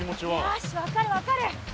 よし分かる分かる。